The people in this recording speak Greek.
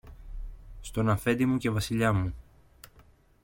Στον Αφέντη μου και Βασιλιά μου